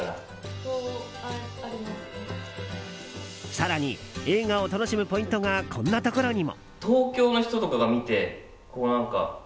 更に、映画を楽しむポイントがこんなところにも。